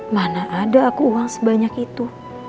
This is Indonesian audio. mana ada aku uang sebanyak itu